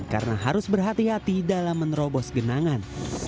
karena harus berhati hati dalam menerobos genangan